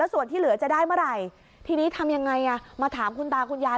ส่วนที่เหลือจะได้เมื่อไหร่ทีนี้ทำยังไงอ่ะมาถามคุณตาคุณยาย